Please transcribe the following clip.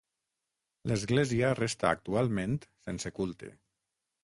L'església resta actualment sense culte.